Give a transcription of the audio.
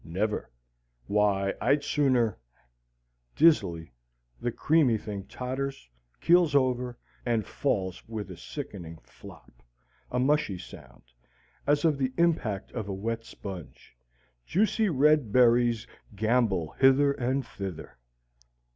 Never! Why, I'd sooner Dizzily the creamy thing totters, keels over, and falls with a sickening flop, a mushy sound, as of the impact of a wet sponge. Juicy red berries gambol hither and thither.